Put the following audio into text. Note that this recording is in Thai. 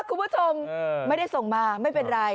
คุณผู้ชมไม่ได้ส่งมาไม่เป็นไร